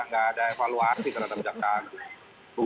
nggak ada evaluasi terhadap jaksa agung